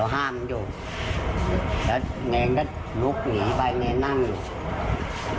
เราห้ามอยู่และแมงก็ลุกหนีไปแมงนั่งอยู่